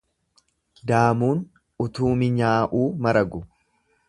Daamuun utuu minyaa'uu maragu.